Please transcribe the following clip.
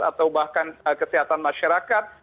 atau bahkan kesehatan masyarakat